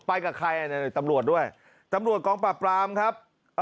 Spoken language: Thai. ไปกับใครตำรวจด้วยตำรวจกองปราบปรามครับ